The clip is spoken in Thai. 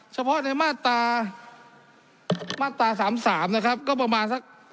เฉพาะในมาตรามาตราสามสามนะครับก็ประมาณสัก